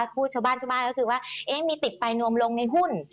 ชาวบ้านชาวบ้านก็คือว่ามีติดไปนวมลงในหุ้น